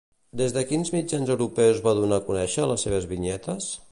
Des de quins mitjans europeus va donar a conèixer les seves vinyetes?